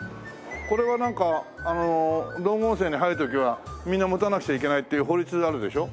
これはなんか道後温泉に入る時はみんな持たなくちゃいけないっていう法律あるでしょ？